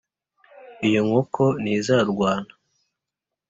iyo nkoko ntizarwana.